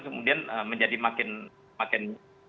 semudian menjadi makin